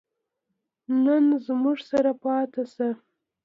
نن زموږ سره پاتې شه